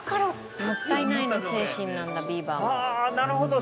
「もったいないの精神なんだビーバーも」はあなるほど！